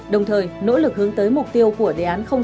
đồng thời nỗ lực hướng tới mục tiêu của đề án sáu